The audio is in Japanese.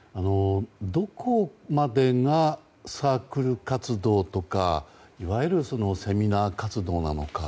どこまでがサークル活動とかいわゆるセミナー活動なのか。